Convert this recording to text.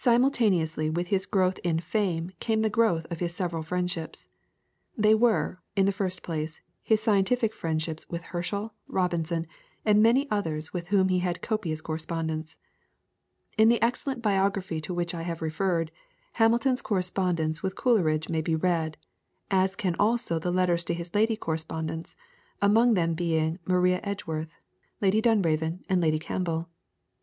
Simultaneously with his growth in fame came the growth of his several friendships. There were, in the first place, his scientific friendships with Herschel, Robinson, and many others with whom he had copious correspondence. In the excellent biography to which I have referred, Hamilton's correspondence with Coleridge may be read, as can also the letters to his lady correspondents, among them being Maria Edgeworth, Lady Dunraven, and Lady Campbell.